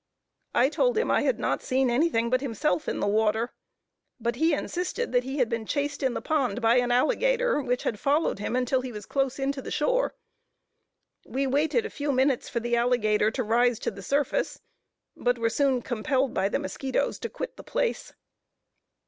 I told him I had not seen anything but himself in the water; but he insisted that he had been chased in the pond by an alligator, which had followed him until he was close in the shore. We waited a few minutes for the alligator to rise to the surface, but were soon compelled by the musquitos, to quit this place.